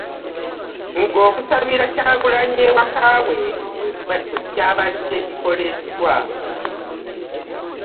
Ng'okusibira Kyagulanyi ewaka we bwe kyabadde kikoleddwa